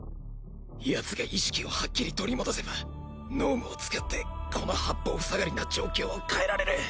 奴が意識をハッキリ取り戻せば脳無を使ってこの八方塞がりな状況を変えられる。